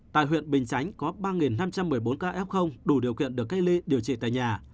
tại huyện bình chánh có ba năm trăm một mươi bốn ca f đủ điều kiện được cách ly điều trị tại nhà